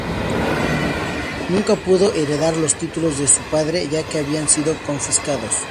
Nunca pudo heredar los títulos de su padre, ya que habían sido confiscados.